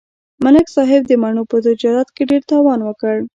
ملک صاحب د مڼو په تجارت کې ډېر تاوان وکړ